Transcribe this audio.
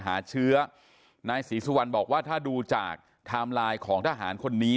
หาเชื้อนายสีสุวันบอกว่าถ้าดูจากของทหารคนนี้